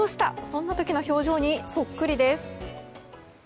そんな時の表情にそっくりです。